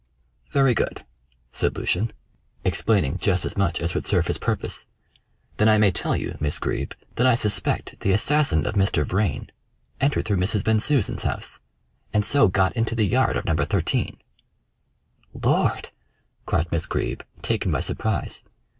"Very good," said Lucian, explaining just as much as would serve his purpose. "Then I may tell you, Miss Greeb, that I suspect the assassin of Mr. Vrain entered through Mrs. Bensusan's house, and so got into the yard of No. 13." "Lord!" cried Miss Greeb, taken by surprise.